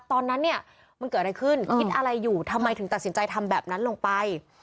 ตอนนั้นเนี่ยมันเกิดอะไรขึ้นคิดอะไรอยู่ทำไมถึงตัดสินใจทำแบบนั้นลงไป